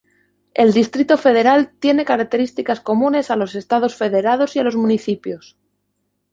El Distrito Federal tiene características comunes a los estados federados y a los municipios.